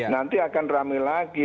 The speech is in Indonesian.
nanti akan rame lagi